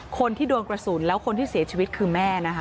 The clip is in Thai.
คนที่โดนกระสุนแล้วคนที่เสียชีวิตคือแม่นะคะ